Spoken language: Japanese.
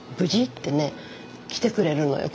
ってね来てくれるのよ。